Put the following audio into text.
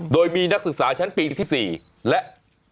โดยมีนักศึกษาชั้นปีที่๔และ